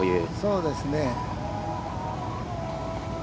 そうですね。